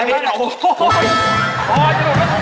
อันนี้โอ๊ยโอ๊ยโอ๊ย